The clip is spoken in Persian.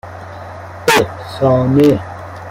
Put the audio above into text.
اِحسانه